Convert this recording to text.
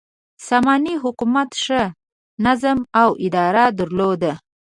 ساماني حکومت ښه نظم او اداره درلوده.